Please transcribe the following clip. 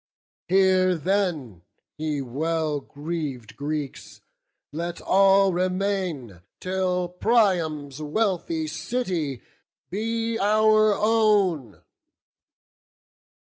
Here then, ye well greav'd Greeks, let all remain, Till Priam's wealthy city be our own."